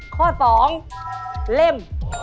ข้อสองเล่ม